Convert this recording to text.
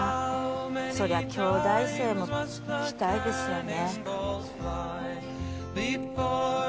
そりゃ京大生も来たいですよね。